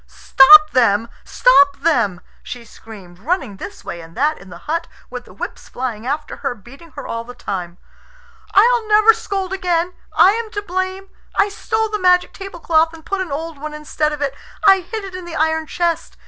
"Stop them! Stop them!" she screamed, running this way and that in the hut, with the whips flying after her beating her all the time. "I'll never scold again. I am to blame. I stole the magic tablecloth, and put an old one instead of it. I hid it in the iron chest."